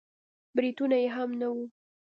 برېتونه يې هم نه وو.